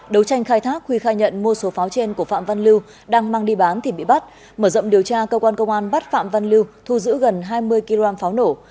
đấu tranh khai thác huy khai nhận mua số pháo trên của phạm văn lưu đang mang đi bán thì bị bắt mở rộng điều tra cơ quan công an bắt phạm văn lưu thu giữ gần hai mươi kg pháo nổ